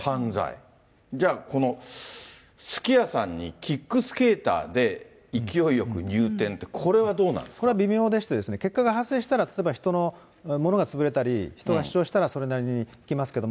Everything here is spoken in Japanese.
じゃあ、このすき家さんにキックスケーターで勢いよく入店って、これはどこれは微妙でしてね、結果が発生したら、例えば物が潰れたり、人が死傷したら、それなりにききますけれども。